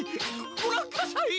ごらんくだしゃい。